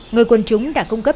người quần chúng đã cung cấp